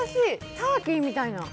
ターキーみたいな。